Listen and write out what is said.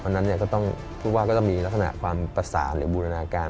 เพราะฉะนั้นก็ต้องมีลักษณะความประสานหรือบูรณาการ